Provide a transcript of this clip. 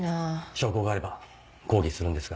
証拠があれば抗議するんですが。